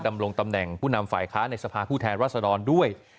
ดำรงตำแหน่งผู้นำฝ่ายค้าในสภาผู้แทนรัศดรด้วย